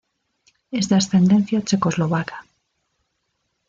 Es de ascendencia checoslovaca.